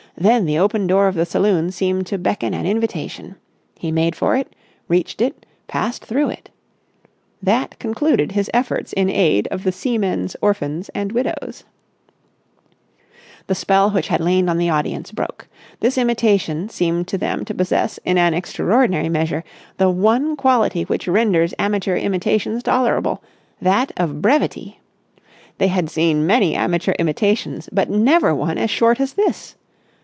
Then the open door of the saloon seemed to beckon an invitation. He made for it, reached it, passed through it. That concluded his efforts in aid of the Seamen's Orphans and Widows. The spell which had lain on the audience broke. This imitation seemed to them to possess in an extraordinary measure the one quality which renders amateur imitations tolerable, that of brevity. They had seen many amateur imitations, but never one as short as this.